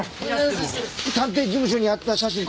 探偵事務所にあった写真